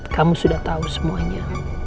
kamu sudah tahu semuanya